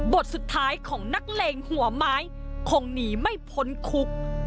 บทสุดท้ายของนักเลงหัวไม้คงหนีไม่พ้นคุก